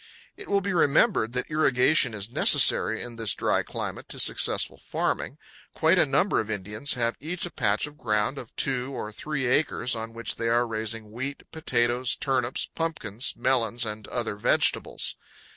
It will be remembered that irrigation is necessary in this dry climate to successful farming. Quite a number of Indians have each a patch of ground of two or three acres, on which they are raising wheat, potatoes, turnips, pumpkins, melons, and other vegetables.